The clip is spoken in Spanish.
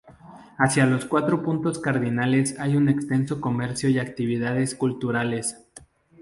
Hacia los cuatro puntos cardinales hay un extenso comercio y actividades culturales.